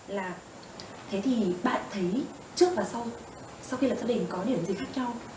là thế thì bạn thấy trước và sau sau khi là tham đỉnh có điểm gì khác nhau